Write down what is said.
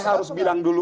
saya mau bilang dulu